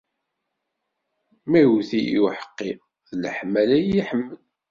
Ma iwt-iyi uḥeqqi, d leḥmala i iyi-iḥemmel.